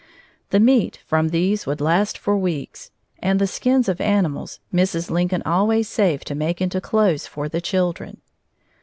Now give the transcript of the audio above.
The meat from these would last for weeks, and the skins of animals Mrs. Lincoln always saved to make into clothes for the children.